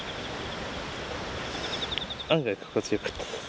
「案外心地よかったです」